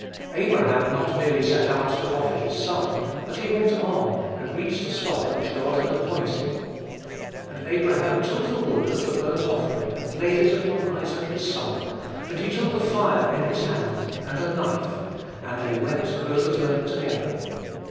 Abraham not merely set out to offer his son, but he went on, and reached the spot which God had appointed. "And Abraham took the wood of the burnt offering, and laid it upon Isaac his son; and he took the fire in his hand, and a knife: and they went both of them together."